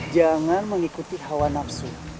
jangan mengikuti hawa nafsu